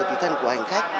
tí thân của hành khách